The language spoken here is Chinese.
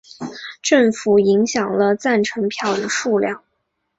政府影响了赞成票的数量。